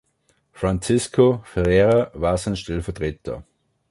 Francisco Ferrera war sein Stellvertreter.